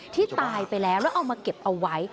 ที่ตายไปแล้วแล้วเอามาเก็บเอาไว้